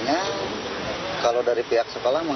akan ada proses hukum